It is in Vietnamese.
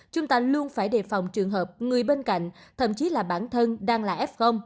chúng ta luôn phải đề phòng trường hợp người bên cạnh thậm chí là bản thân đang là f